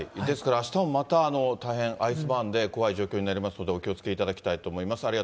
ですからあしたもまた大変アイスバーンで怖い状況になりますので、お気をつけいただきたいと思います。